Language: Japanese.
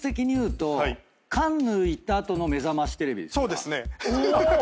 そうですね。